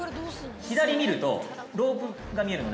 左見るとロープが見えるので。